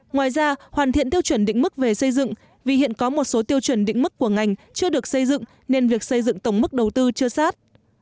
ngoài ra hoàn thiện tiêu chuẩn định mức về xây dựng vì hiện có một số tiêu chuẩn định mức của ngành chưa được xây dựng nên việc xây dựng tổng mức đầu tư chưa sát